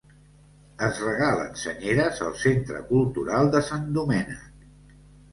Es regalen senyeres al Centre Cultural de Sant Domènec.